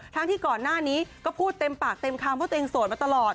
ทั้งที่ก่อนหน้านี้ก็พูดเต็มปากเต็มคำเพราะตัวเองโสดมาตลอด